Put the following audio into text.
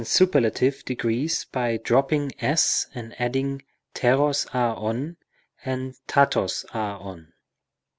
35 superlative degrees by dropping s and adding repos, a, ov and raros, α, OV.